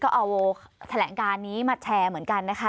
ก็เอาแถลงการนี้มาแชร์เหมือนกันนะคะ